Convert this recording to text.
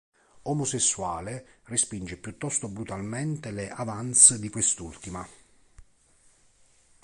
Omosessuale, respinge piuttosto brutalmente le avances di quest'ultima.